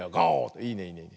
いいねいいね。